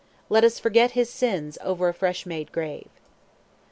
Let us forget his sins over a fresh made grave."